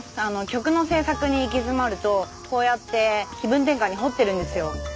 曲の制作に行き詰まるとこうやって気分転換に彫ってるんですよ。